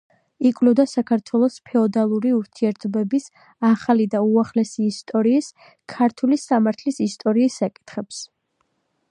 იკვლევდა საქართველოს ფეოდალური ურთიერთობების, ახალი და უახლესი ისტორიის, ქართული სამართლის ისტორიის საკითხებს.